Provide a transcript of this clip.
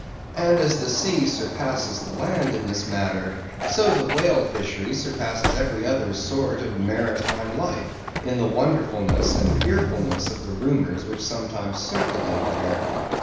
And as the sea surpasses the land in this matter, so the whale fishery surpasses every other sort of maritime life, in the wonderfulness and fearfulness of the rumors which sometimes circulate there.